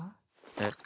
えっ。